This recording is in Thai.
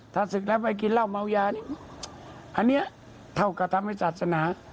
ถ้าสึกแล้วไปกินเหล้าเมาหย่าอันนี้เท่ากับธรรมศาสนา